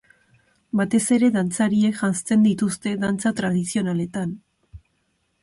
Batez ere dantzariek janzten dituzte, dantza tradizionaletan.